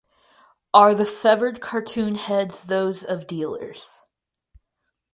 Are the severed cartoon heads those of dealers?